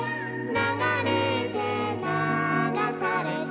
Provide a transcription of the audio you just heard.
「ながれてながされて」